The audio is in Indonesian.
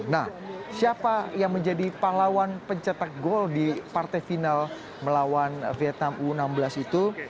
nah siapa yang menjadi pahlawan pencetak gol di partai final melawan vietnam u enam belas itu